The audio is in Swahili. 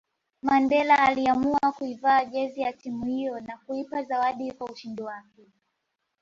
Mandela aliiamua kuivaa jezi ya timu hiyo na kuipa zawadi kwa ushindi wake